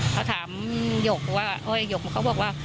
เขาถามหยกว่าหยกเขาบอกว่า